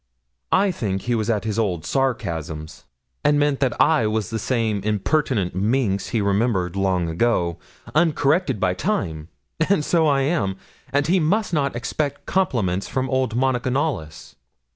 'I think he was at his old sarcasms, and meant that I was the same impertinent minx he remembered long ago, uncorrected by time; and so I am, and he must not expect compliments from old Monica Knollys.